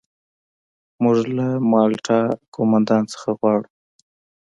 موږ له مالټا قوماندان څخه غواړو.